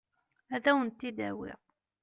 Ad wen-tent-id-awiɣ.